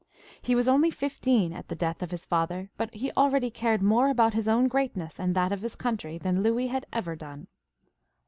He was only fifteen at the death of his father, but he already cared more about his own greatness and that of his country than Louis had ever done.